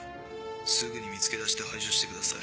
すぐに見つけ出して排除してください。